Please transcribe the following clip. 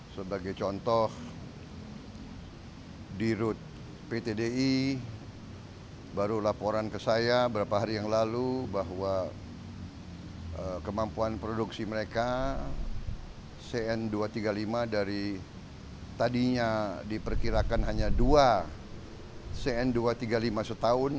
sebagai contoh di route ptdi baru laporan ke saya beberapa hari yang lalu bahwa kemampuan produksi mereka cn dua ratus tiga puluh lima dari tadinya diperkirakan hanya dua cn dua ratus tiga puluh lima setahun